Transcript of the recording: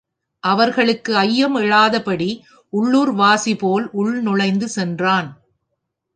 அவர்களுக்கு ஐயம் எழாதபடி உள்ளுர் வாசிபோல் உள் நுழைந்து சென்றான்.